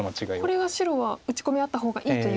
これは白は打ち込みあった方がいいという。